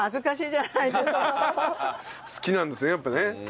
好きなんですねやっぱね。